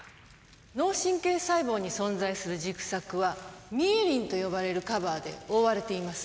脳神経細胞に存在する軸索はミエリンと呼ばれるカバーで覆われています